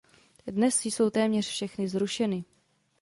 Dnes jsou téměř všechny zrušeny.